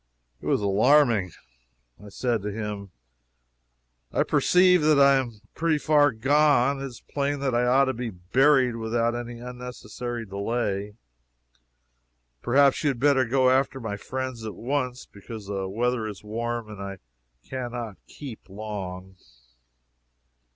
It was alarming. I said to him: "I perceive that I am pretty far gone. It is plain that I ought to be buried without any unnecessary delay. Perhaps you had better go after my friends at once, because the weather is warm, and I can not 'keep' long."